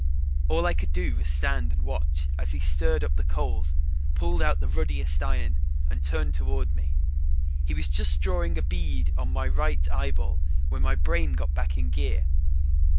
All I could do was stand and watch as he stirred up the coals, pulled out the ruddiest iron and turned toward me. He was just drawing a bead on my right eyeball when my brain got back in gear.